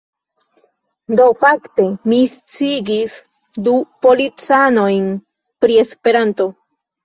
Do, fakte, mi sciigis du policanojn pri Esperanto